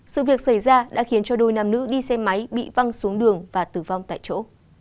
sự việc xảy ra đã khiến cho đôi nam nữ đi xe máy bị văng xuống đường và tử vong tại chỗ